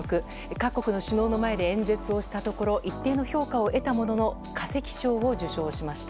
各国の首脳の前で演説をしたところ一定の評価を得たものの化石賞を受賞しました。